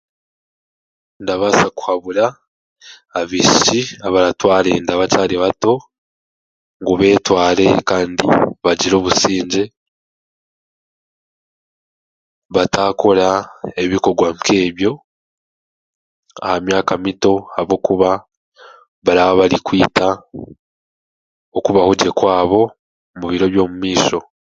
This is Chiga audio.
Ndabaasa kuhabura abaishiki abaratwara enda bakyari bato ngu beetware kandi bagire obusingye, bataakora ebikogwa nk'ebyo aha myaka mito ahabwokuba baraba barikwita okubahogye kwabo mubiro by'omu maisho.